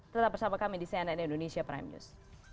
tetap bersama kami di cnn indonesia prime news